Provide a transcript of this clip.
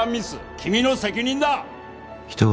君の責任だ！